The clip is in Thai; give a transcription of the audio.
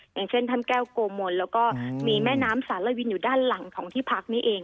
อย่างเช่นถ้ำแก้วโกมนแล้วก็มีแม่น้ำสารวินอยู่ด้านหลังของที่พักนี้เอง